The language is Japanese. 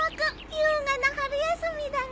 優雅な春休みだね。